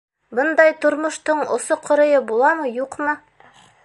Бындай тормоштоң осо-ҡырыйы буламы, юҡмы?